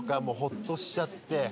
もうほっとしちゃって。